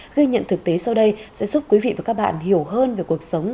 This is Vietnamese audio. ghi nhận thực tế sau đây sẽ giúp quý vị và các bạn hiểu hơn về cuộc sống